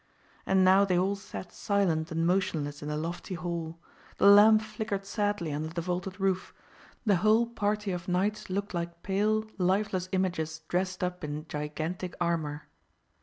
And now they all sat silent and motionless in the lofty hall; the lamp flickered sadly under the vaulted roof; the whole party of knights looked like pale, lifeless images dressed up in gigantic armour.